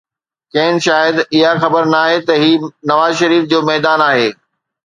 کين شايد اها خبر ناهي ته هي نواز شريف جو ميدان آهي.